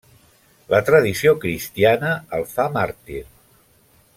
La tradició cristiana el fa màrtir.